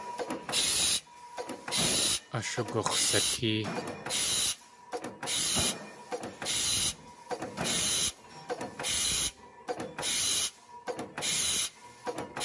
Ashugux̲satée.